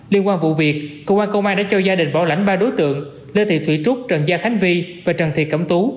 liên quan vụ việc cơ quan công an đã cho gia đình bảo lãnh ba đối tượng lê thị thủy trúc trần gia khánh vi và trần thị cẩm tú